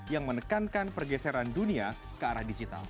yang menekankan pergeseran dunia ke arah digital